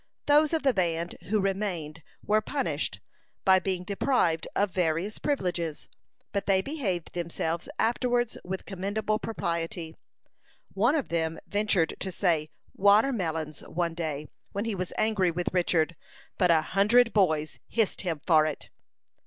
Those of the band who remained were punished by being deprived of various privileges; but they behaved themselves afterwards with commendable propriety. One of them ventured to say "watermelons," one day, when he was angry with Richard, but a hundred boys hissed him for it.